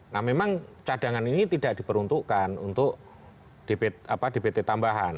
nah memang cadangan ini tidak diperuntukkan untuk dpt tambahan